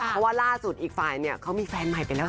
เพราะว่าล่าสุดอีกฝ่ายเนี่ยเขามีแฟนใหม่ไปแล้ว